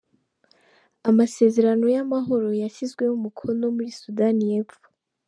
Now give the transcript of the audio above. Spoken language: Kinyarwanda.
-Amasezerano y’amahoro yashyizweho umukono muri Sudani y’Epfo